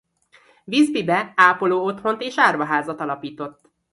Visby-be ápoló otthont és árvaházat alapított.